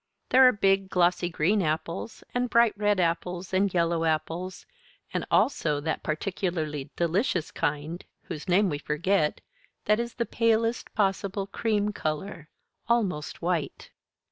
There are big glossy green apples and bright red apples and yellow apples and also that particularly delicious kind (whose name we forget) that is the palest possible cream color almost white.